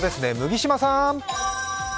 麦島さん！